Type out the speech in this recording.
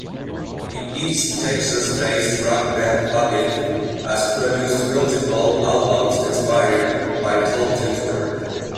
The East Texas-based rock band Hobbit has produced multiple albums inspired by Tolkien's work.